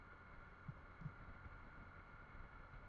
怎么只有你一个人